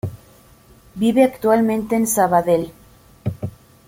Vive actualmente en Sabadell.